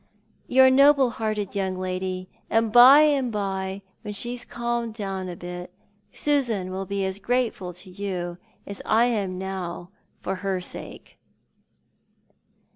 " You're a noble hearted young lady ; and by and by, when she's calmed down a bit, Susan will be as grateful to you as I am now for her sake."